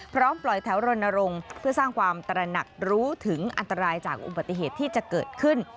พร้อมปล่อยแถวรณรงค์เพื่อสร้างความตระหนักรู้ถึงอันตรายจากอุบัติเหตุที่จะเกิดขึ้น